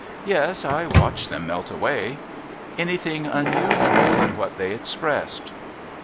.' Yes. I watched them melt away.' ' Anything unusual in what they expressed